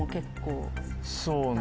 そうね。